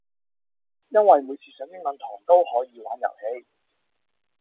因為每次上英文堂都可以玩遊戲